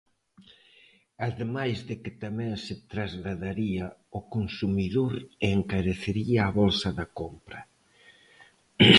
Ademais de que tamén se trasladaría ao consumidor e encarecería a bolsa da compra.